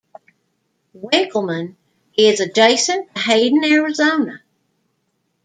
Winkelman is adjacent to Hayden, Arizona.